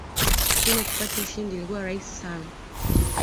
Timu kupata ushindi ilikuwa rahisi sana